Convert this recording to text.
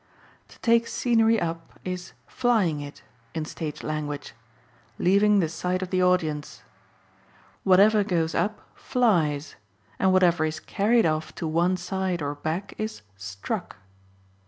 To take scenery up, is "flying it," in stage language, leaving the sight of the audience; whatever goes up "flies," and whatever is carried off to one side or back is "struck."